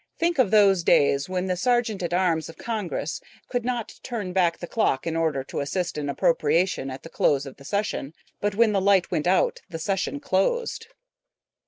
] Think of those days when the Sergeant at Arms of Congress could not turn back the clock in order to assist an appropriation at the close of the session, but when the light went out the session closed.